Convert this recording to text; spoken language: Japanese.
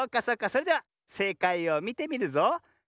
それではせいかいをみてみるぞ。